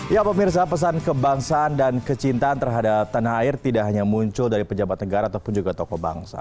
ya pemirsa pesan kebangsaan dan kecintaan terhadap tanah air tidak hanya muncul dari pejabat negara ataupun juga tokoh bangsa